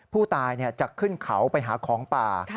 ผู้ตายจะขึ้นเขาไปหาของป่า